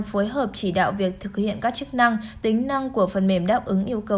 phối hợp chỉ đạo việc thực hiện các chức năng tính năng của phần mềm đáp ứng yêu cầu